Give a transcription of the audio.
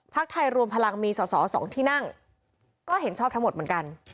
ไทยรวมพลังมีสอสอ๒ที่นั่งก็เห็นชอบทั้งหมดเหมือนกัน